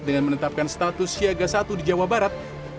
dengan menetapkan status siaga satu di jawa barat